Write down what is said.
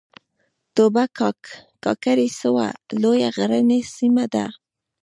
توبه کاکړۍ سوه لویه غرنۍ سیمه ده